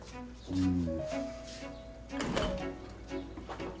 うん。